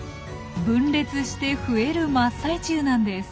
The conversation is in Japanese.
分裂して増える真っ最中なんです。